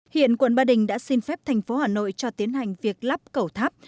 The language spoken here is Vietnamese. hiện quận ba đình đã xin phép thành phố hà nội cho tiến hành việc lắp cầu tháp